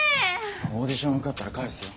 オーディション受かったら返すよ。